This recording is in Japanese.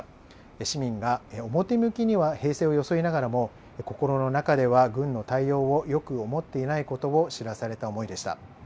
市民が表向きには平静を装いながらも心の中では軍の対応をよく思っていないことを知らされた思いでした。